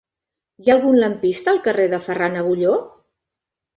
Hi ha algun lampista al carrer de Ferran Agulló?